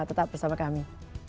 tetap bersama kami